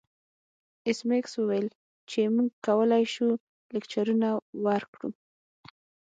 ایس میکس وویل چې موږ کولی شو لکچرونه ورکړو